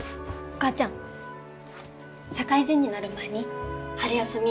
お母ちゃん社会人になる前に春休み